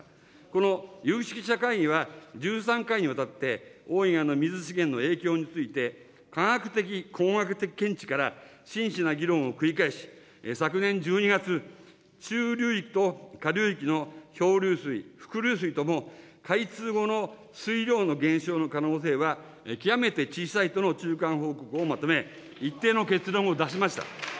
この有識者会議は、１３回にわたって大井川の水資源の影響について、科学的・工学的見地から真摯な議論を繰り返し、昨年１２月、中流域と下流域の表流水、伏流水とも、開通後の水量の減少の可能性は極めて小さいとの中間報告をまとめ、一定の結論を出しました。